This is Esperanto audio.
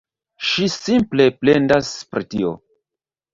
Ŝi simple plendas pri tio.